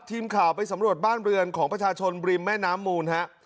ทีมข่าวไปสำรวจบ้านเรือนของประชาชนริมแม่น้ำมูลฮะ